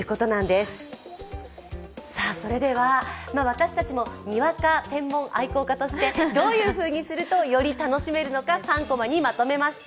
私たちも、にわか天文愛好家として、どういうふうにするとより楽しめるのか３コマにまとめました。